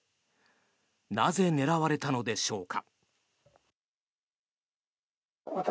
なぜ、狙われたのでしょうか。